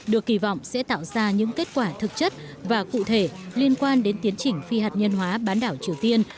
được kỳ vọng sẽ tạo ra những kết quả thực chất và cụ thể liên quan đến tiến trình phi hạt nhân hóa bán đảo triều tiên